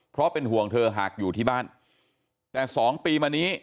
เพราะเป็นห่วงเธอหากอยู่ที่บ้านแต่สองปีมานี้